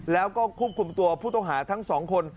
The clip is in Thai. แล้วก็ควบคุมตัวผู้ต้องหาทั้งสองคน